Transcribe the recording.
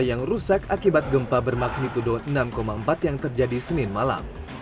yang rusak akibat gempa bermagnitudo enam empat yang terjadi senin malam